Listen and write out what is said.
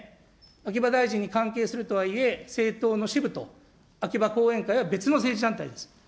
秋葉大臣に関係するとはいえ、政党の支部と秋葉後援会は別の政治団体です。